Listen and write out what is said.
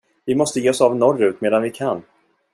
Vi måste ge oss av norrut medan vi kan.